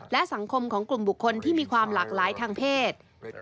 และสังคมของกลุ่มบุคคลที่มีความหลากหลายทางเพศ